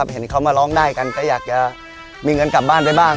เห็นเขามาร้องได้กันก็อยากจะมีเงินกลับบ้านไปบ้าง